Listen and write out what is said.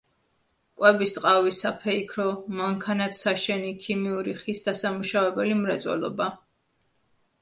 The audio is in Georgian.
კვების, ტყავის, საფეიქრო, მანქანათსაშენი, ქიმიური, ხის დასამუშავებელი მრეწველობა.